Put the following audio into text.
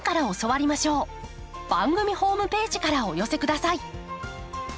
番組ホームページからお寄せください。